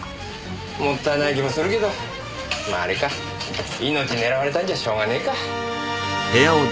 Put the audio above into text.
もったいない気もするけどまああれか命狙われたんじゃしょうがねえか。